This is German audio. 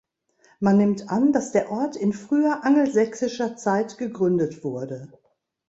Man nimmt an, dass der Ort in früher angelsächsischer Zeit gegründet wurde.